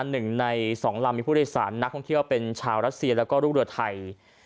๑ใน๒ลำมีผู้โดยสารนักท่องเที่ยวเป็นชาวรัสเซียและลูกเรือไทย